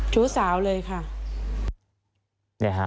ทุสาวเลยค่ะ